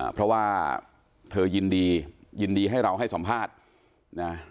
เพราะว่าเธอยินดียินดีให้เราให้สัมภาษณ์นะ